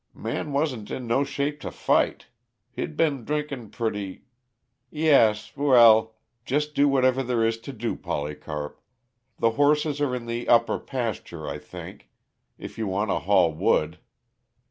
Man wasn't in no shape to fight he'd been drinkin' pretty " "Yes well, just do whatever there is to do, Polycarp. The horses are in the upper pasture, I think if you want to haul wood."